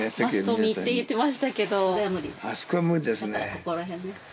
ここら辺ね。